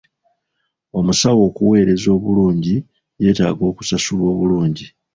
Omusawo okuweereza obulungi, yeetaaga okusasulwa obulungi.